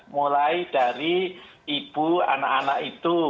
mulai dari ibu anak anak itu